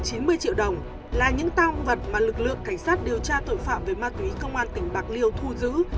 những tiền gần chín mươi triệu đồng là những tam vật mà lực lượng cảnh sát điều tra tội phạm về ma túy công an tỉnh bạc liêu thu giữ